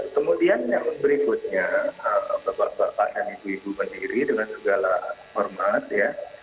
kemudian yang berikutnya beberapa pasangan ibu ibu sendiri dengan segala hormat ya